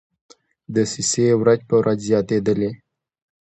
دسیسې ورځ په ورځ زیاتېدلې.